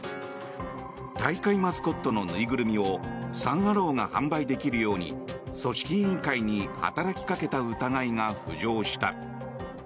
大会マスコットの縫いぐるみをサン・アローが販売できるように組織委員会に働きかけた疑いが浮上した。